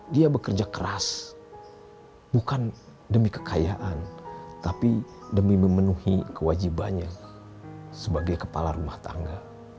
dia bekerja keras bukan demi kekayaan tapi demi memenuhi kewajibannya sebagai kepala rumah tangga